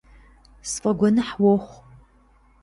СфӀэгуэныхь уохъу.